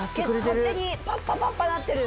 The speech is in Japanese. パッパパッパなってる。